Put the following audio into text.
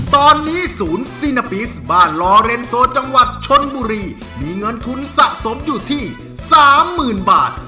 ตอนนี้ศูนย์ซีนาปิสบ้านลอเรนโซจังหวัดชนบุรีมีเงินทุนสะสมอยู่ที่๓๐๐๐บาท